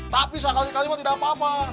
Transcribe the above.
tapi sekali kali pak tidak apa apa